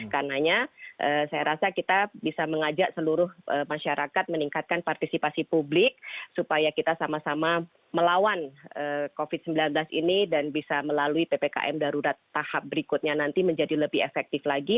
karena saya rasa kita bisa mengajak seluruh masyarakat meningkatkan partisipasi publik supaya kita sama sama melawan covid sembilan belas ini dan bisa melalui ppkm darurat tahap berikutnya nanti menjadi lebih efektif lagi